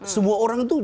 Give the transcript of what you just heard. semua orang itu